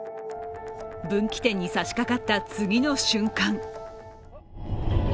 分岐点に差しかかった次の瞬間